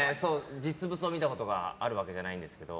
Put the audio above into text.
実物を見たことがあるわけじゃないですけど。